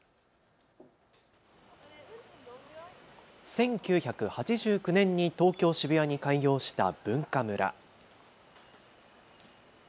１９８９年に東京渋谷に開業したＢｕｎｋａｍｕｒａ。